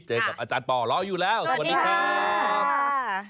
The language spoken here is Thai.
เจอกับอาจารย์ป่อรออยู่แล้วสวัสดีครับ